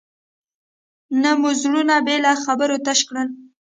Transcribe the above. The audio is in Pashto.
نه مو زړونه بې له خبرو تش کړل.